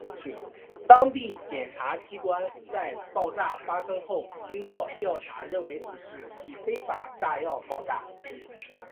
当地检察机关在爆炸发生后经过调查认为此事件系非法炸药爆炸。